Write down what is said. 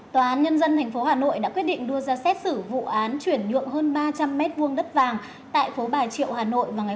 tòa án nhân dân tp hcm đã quyết định đưa ra một trung tâm đăng kiểm